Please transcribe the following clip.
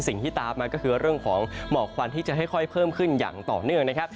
สิ่งที่ตามมาก็คือเรื่องของหมอกควันที่จะค่อยเพิ่มขึ้นอย่างต่อเนื่องนะครับ